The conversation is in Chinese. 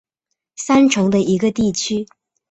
三城的一个地区。